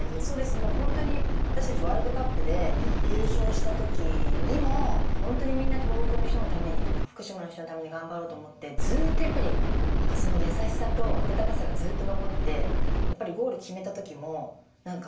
もうほんとに私たちワールドカップで優勝した時にもほんとにみんな東北の人のためにとか福島の人のために頑張ろうと思ってずっとやっぱりその優しさと温かさがずっと残ってやっぱりゴール決めた時も何か福島の人たちが出てきましたんね。